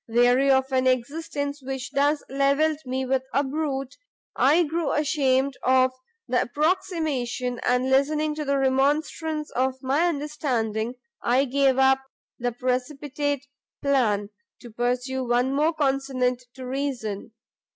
Weary of an existence which thus levelled me with a brute, I grew ashamed of the approximation, and listening to the remonstrance of my understanding, I gave up the precipitate plan, to pursue one more consonant to reason.